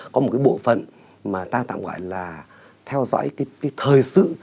có một cái bộ phận mà ta tạm gọi là theo dõi cái thời sự